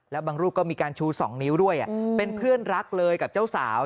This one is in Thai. แล้วบางรูปก็มีการชู๒นิ้วด้วยเป็นเพื่อนรักเลยกับเจ้าสาว